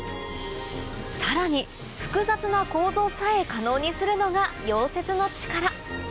さらに複雑な構造さえ可能にするのが溶接の力